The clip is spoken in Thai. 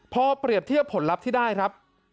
พอเปรียบเทียบผลลัพธ์ที่ได้ครับ